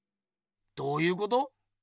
どうゆうこと？